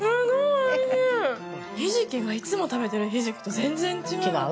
ひじきがいつも食べてるひじきと全然違う。